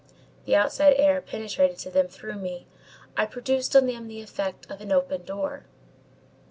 The outside air penetrated to them through me. I produced on them the effect of an open door."